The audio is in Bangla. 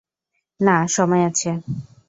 না, সময় আছে।